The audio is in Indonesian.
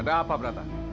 ada apa berata